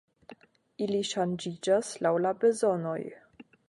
Ili ŝanĝiĝas laŭ la bezonoj.